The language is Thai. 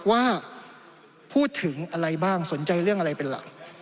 ว่าพูดถึงอะไรบ้างสนใจเรื่องอะไรเป็นหลัก